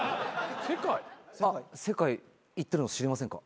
世界行ってるの知りませんか？